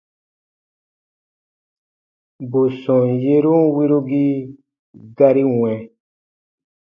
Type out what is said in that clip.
Bù sɔm yerun wirugii gari wɛ̃.